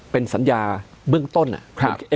เป็นสัญญาเบื้องต้น